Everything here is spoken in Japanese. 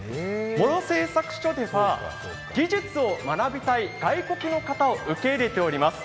茂呂製作所では技術を学びたい外国の方を受け入れております。